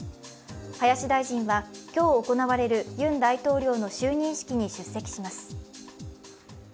林大臣は今日行われるユン大統領の就任式に出席します。